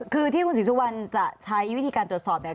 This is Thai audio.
คือที่คุณศิษย์ทุกวันจะใช้วิธีการจดสอบ